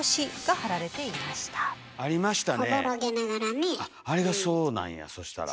あれがそうなんやそしたら。